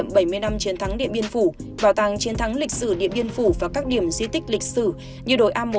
bảo tàng chiến thắng lịch sử điện biên phủ và các điểm di tích lịch sử như đồi a một